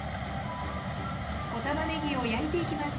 小たまねぎを焼いていきます。